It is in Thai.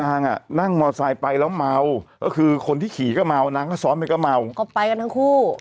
อ่ะนั่งมอไซค์ไปแล้วเมาก็คือคนที่ขี่ก็เมานางก็ซ้อมไปก็เมาก็ไปกันทั้งคู่